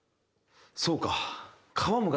そうか。